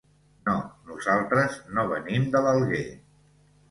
No, nosaltres no venim de l'Alguer.